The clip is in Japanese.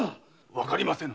わかりませぬ。